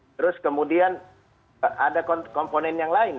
terus kemudian ada komponen yang lain